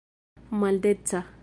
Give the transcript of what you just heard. maldeca